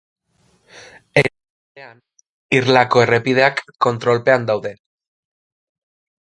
Era berean, irlako errepideak kontrolpean daude.